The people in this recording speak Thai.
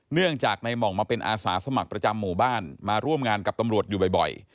เนื่องจากในหม่องมาเป็นอาสาสมัครประจำหมู่บ้านมาร่วมงานกับตำรวจอยู่บ่อย